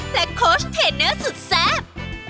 และโค้ชเทนเนอร์สุดแซ่บ